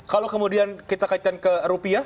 kalau kemudian kita kaitkan ke rupiah